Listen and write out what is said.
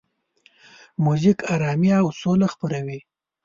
موزیک آرامي او سوله خپروي.